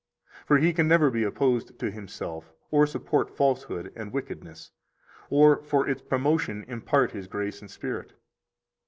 For He can never be opposed to Himself, or support falsehood and wickedness, or for its promotion impart His grace and Spirit.